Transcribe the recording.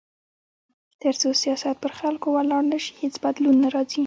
تر څو سیاست پر خلکو ولاړ نه شي، هیڅ بدلون نه راځي.